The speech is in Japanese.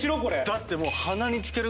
だってもう。